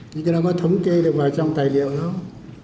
như thế nó có thống kê được vào trong tài liệu không